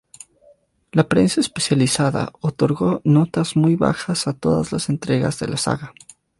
La prensa especializada otorgó notas muy bajas a todas las entregas de la saga.